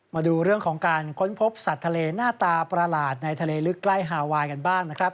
มาดูเรื่องของการค้นพบสัตว์ทะเลหน้าตาประหลาดในทะเลลึกใกล้ฮาไวน์กันบ้างนะครับ